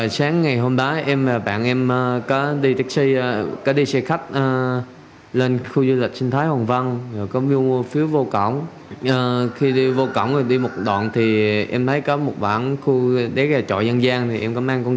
sáng ngày hôm đó em và bạn em